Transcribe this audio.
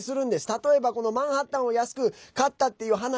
例えば、マンハッタンを安く買ったっていう話。